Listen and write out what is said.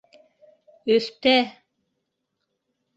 Өҫтә!